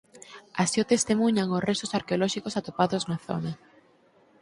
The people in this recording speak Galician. Así o testemuñan os restos arqueolóxicos atopados na zona.